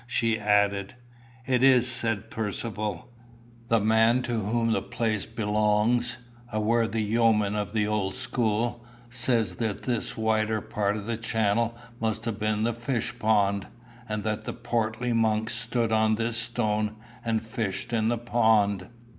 she added. "It is," said Percivale. "The man to whom the place belongs, a worthy yeoman of the old school, says that this wider part of the channel must have been the fish pond, and that the portly monks stood on this stone and fished in the pond."